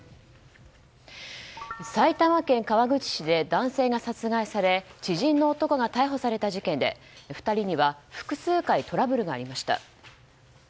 埼玉県川口市で男性が殺害され知人の男が逮捕された事件で２人には、複数回トラブルがありました。